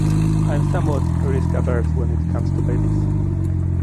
I am somewhat risk-averse when it comes to babies.